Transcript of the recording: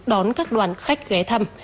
đó là được đoán các đoàn khách ghé thăm